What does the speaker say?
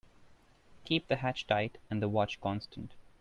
Keep the hatch tight and the watch constant.